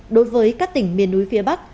đối với các tỉnh miền núi phía bắc